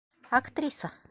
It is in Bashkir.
Актриса!